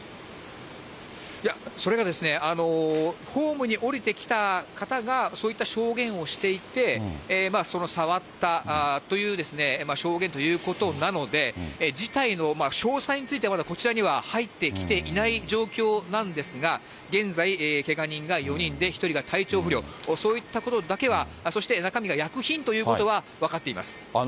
それがですね、ホームに降りてきた方が、そういった証言をしていて、その触ったという証言ということなので、事態の詳細については、まだこちらには入ってきていない状況なんですが、現在、けが人が４人で、１人が体調不良、そういったことだけは、そして中身が薬品ということだけは分かっています。